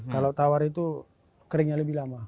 kalau tawar itu keringnya lebih lama